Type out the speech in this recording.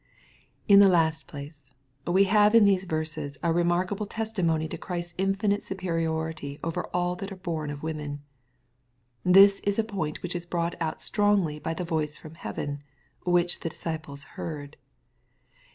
In the last place, we have in these verses a remarh able testimony to Christ's infinite superiority over all that are born of woman This is a point which is brought out strongly by the voice from heaven, which the disciples heard.